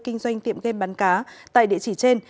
kinh doanh tiệm game bán cá tại địa chỉ trên